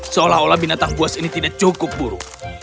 seolah olah binatang buas ini tidak cukup buruk